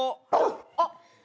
あっ。